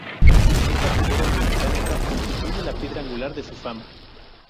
Esta figura biomecánica constituye la piedra angular de su fama.